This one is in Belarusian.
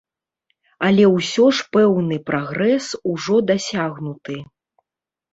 Але ўсё ж пэўны прагрэс ужо дасягнуты.